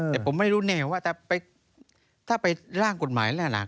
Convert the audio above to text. แต่ผมไม่รู้แน่ว่าถ้าไปร่างกฎหมายแล้วล่ะ